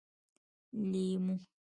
🍋 لېمو